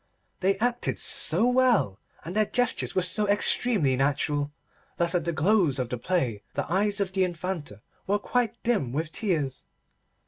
They acted so well, and their gestures were so extremely natural, that at the close of the play the eyes of the Infanta were quite dim with tears.